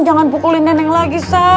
jangan pukulin nenek lagi sa